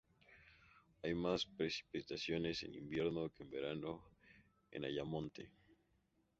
Hay más precipitaciones en invierno que en verano en Ayamonte.